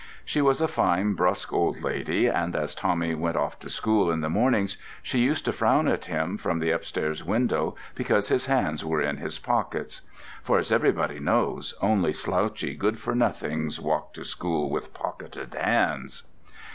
She was a fine, brusque old lady and as Tommy went off to school in the mornings she used to frown at him from the upstairs window because his hands were in his pockets. For as everybody knows, only slouchy good for nothings walk to school with pocketed hands.